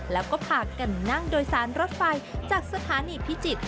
แล้วก็พากันนั่งโดยสารรถไฟจากสถานีพิจิตร